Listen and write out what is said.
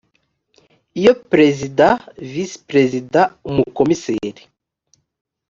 iyo perezida visi perezida umukomiseri